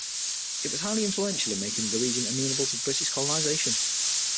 It was highly influential in making the region amenable to British colonization.